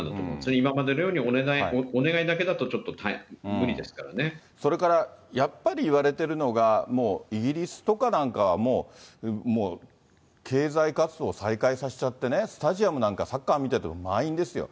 今までのようにお願いだけだと、それからやっぱり言われてるのが、もうイギリスとかなんかは、もう、経済活動再開させちゃってね、スタジアムなんかサッカー見てても満員ですよ。